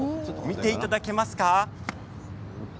見ていただけますか。